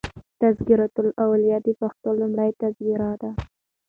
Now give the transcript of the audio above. "تذکرة الاولیا" دپښتو لومړۍ تذکره ده.